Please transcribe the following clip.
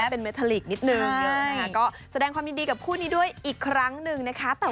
เป็นเมทาลีกนิดนึงนะคะก็แสดงความยินดีกับคู่นี้ด้วยอีกครั้งหนึ่งนะคะ